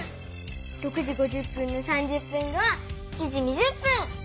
６時５０分の３０分後は７時２０分！